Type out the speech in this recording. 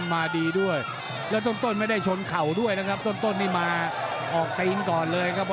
มาดีด้วยแล้วต้นไม่ได้ชนเข่าด้วยนะครับต้นนี่มาออกตีนก่อนเลยครับ